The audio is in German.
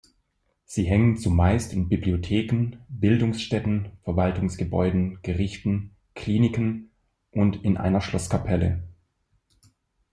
Sie hängen zumeist in Bibliotheken, Bildungsstätten, Verwaltungsgebäuden, Gerichten, Kliniken und in einer Schlosskapelle.